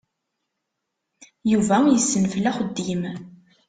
Yuba yessenfel axeddim.